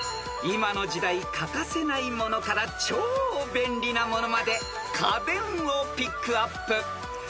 ［今の時代欠かせないものから超便利なものまで家電をピックアップ］